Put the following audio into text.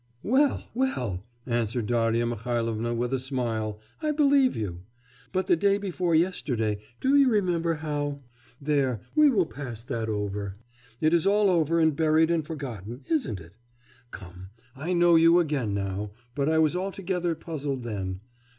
'Well, well,' answered Darya Mihailovna with a smile, 'I believe you. But the day before yesterday, do you remember how There, we will pass that over. It is all over and buried and forgotten. Isn't it? Come, I know you again now; but I was altogether puzzled then.